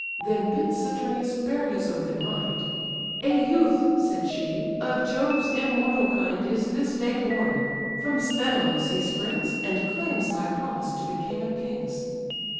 Then bids Saturnius bear his oath in mind; 'A youth (said she) of Jove's immortal kind Is this day born: from Sthenelus he springs, And claims thy promise to be king of kings.